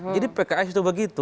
jadi pks itu begitu